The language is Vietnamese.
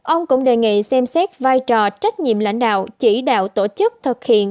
ông cũng đề nghị xem xét vai trò trách nhiệm lãnh đạo chỉ đạo tổ chức thực hiện